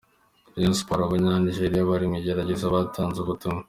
Rayon Sports: Abanyanigeria bari mu igeragezwa batanze ubutumwa.